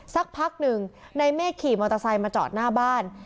สักพักหนึ่งในเมฆขี่มอเตอร์ไซค์มาจอดหน้าบ้าน